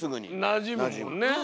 なじむもんね。